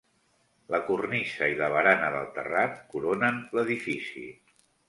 La cornisa i la barana del terrat coronen l'edifici.